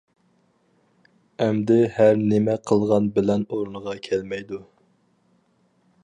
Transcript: ئەمدى ھەر نېمە قىلغان بىلەن ئورنىغا كەلمەيدۇ.